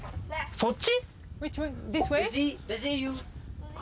そっち？